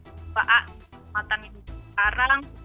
tentang kematangan hidup sekarang